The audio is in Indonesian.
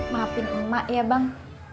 maafin emak ya bang